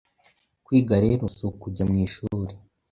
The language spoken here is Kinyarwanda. Kwiga rero si ukujya mu ishuri